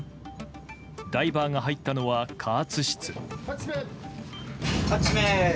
ダイバーが入ったのは加圧室。